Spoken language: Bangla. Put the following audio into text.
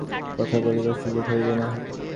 আজ এই অল্প সময়ের মধ্যে সব কথা বলিবার সুযোগ হইবে না।